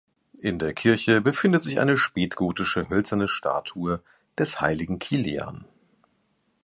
In der Kirche befindet sich eine spätgotische hölzerne Statue des Heiligen Kilian.